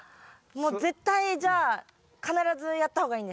もう絶対じゃあ必ずやった方がいいんですね。